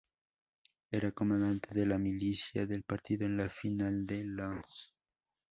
Era comandante de la milicia del partido en la filial en Łódź.